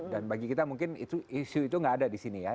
dan bagi kita mungkin isu itu tidak ada di sini ya